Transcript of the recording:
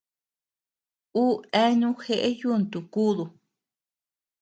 Uu eanu jeʼe yuntu kúdu.